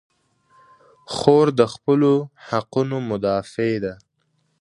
خور د خپلو حقونو مدافع ده.